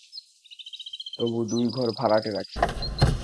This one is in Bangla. তবু দুই ঘর ভাড়াটে রাখি।